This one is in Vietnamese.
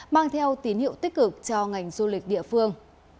mang theo tín hiệu tích cực cho ngành du lịch địa phương